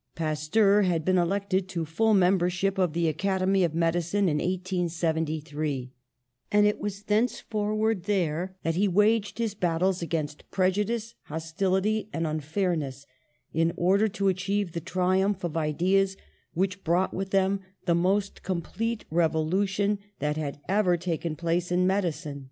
Pasteur had been elected to full membership of the Academy of Medicine in 1873, and it was thenceforward there that he waged his battles against prejudice, hostility and unfairness, in order to achieve the triumph of ideas which brought with them the most complete revolu tion that had ever taken place in medicine.